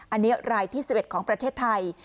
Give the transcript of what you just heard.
อันนี้รายที่๑๑ของประเทศไทย